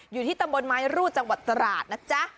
อยู่ที่ตำบลไม้รูดจังหวัดตราดนะจ๊ะ